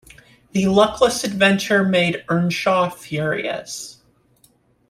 The luckless adventure made Earnshaw furious.